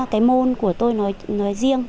cái môn của tôi nói riêng